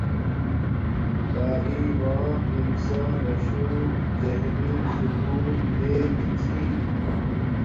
تعیلم ما انسان ناشو زہنی سکون دے گی چھی